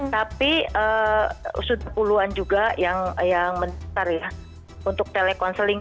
tapi sudah puluhan juga yang menderita ya untuk teleconcelling